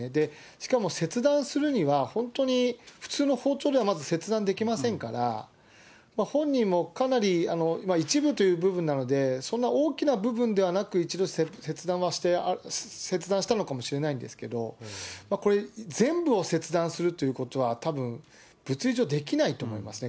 しかも切断するには、本当に普通の包丁ではまず切断できませんから、本人もかなり、一部という部分なので、そんな大きな部分ではなく、一度切断したのかもしれないですけど、これ、全部を切断するということはたぶん、物理上できないと思いますね。